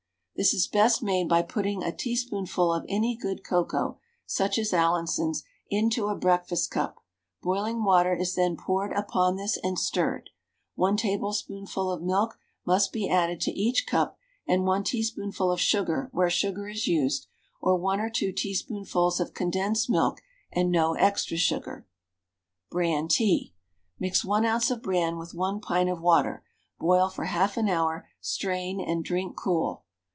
This is best made by putting a teaspoonful of any good cocoa, such as Allinson's, into a breakfast cup; boiling water is then poured upon this and stirred; 1 tablespoonful of milk must be added to each cup, and 1 teaspoonful of sugar where sugar is used, or 1 or 2 teaspoonfuls of condensed milk and no extra sugar. BRAN TEA. Mix 1 oz. of bran with 1 pint of water; boil for 1/2 an hour, strain, and drink cool.